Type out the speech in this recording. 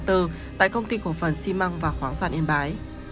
tại công ty cổ phần xi măng và khoáng sản yên bái